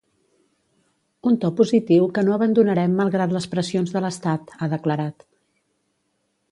Un to positiu que no abandonarem malgrat les pressions de l’estat, ha declarat.